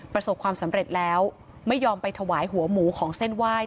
ประสบความสำเร็จแล้วไม่ยอมไปถวายหัวหมูของเส้นไหว้